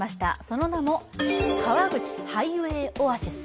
その名も川口ハイウェイオアシス。